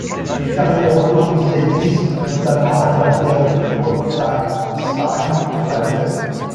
Des carrières autorisées existent, notamment la carrière de Rothenstein, en bavière.